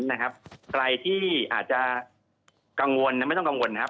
ใครที่อาจจะกังวลไม่ต้องกังวลนะครับ